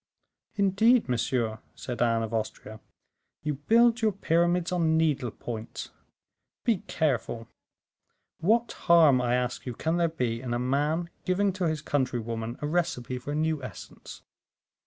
"Indeed, monsieur," said Anne of Austria, "you build your pyramids on needle points; be careful. What harm, I ask you, can there be in a man giving to his countrywoman a recipe for a new essence?